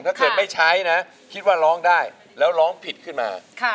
ถ้าเกิดไม่ใช้นะคิดว่าร้องได้แล้วร้องผิดขึ้นมา